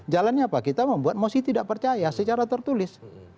jalannya apa kita membuat mosi tidak percaya secara tertulis